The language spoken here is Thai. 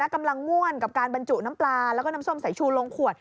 กำลังม่วนกับการบรรจุน้ำปลาแล้วก็น้ำส้มสายชูลงขวด